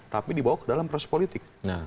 tapi dibawa ke dalam proses politik